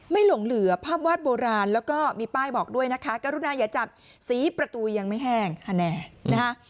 หลงเหลือภาพวาดโบราณแล้วก็มีป้ายบอกด้วยนะคะกรุณาอย่าจับสีประตูยังไม่แห้งฮาแน่นะคะ